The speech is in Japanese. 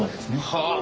はあ。